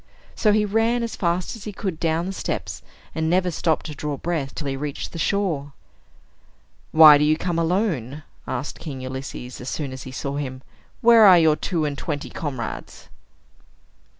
So he ran as fast as he could down the steps, and never stopped to draw breath till he reached the shore. "Why do you come alone?" asked King Ulysses, as soon as he saw him. "Where are your two and twenty comrades?"